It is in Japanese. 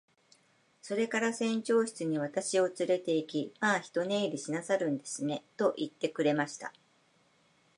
それから船長室に私をつれて行き、「まあ一寝入りしなさるんですね。」と言ってくれました。